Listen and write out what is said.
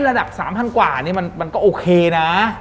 ระดับ๓๐๐กว่านี่มันก็โอเคนะ